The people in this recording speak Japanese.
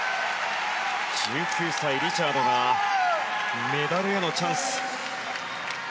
１９歳、リチャードがメダルへのチャンス。